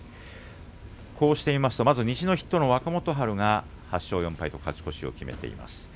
こうして見ると西の筆頭の若元春が８勝４敗と勝ち越しを決めています。